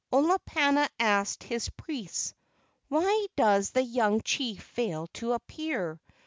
Olopana asked his priests: "Why does the young chief fail to appear?